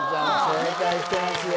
正解してますよ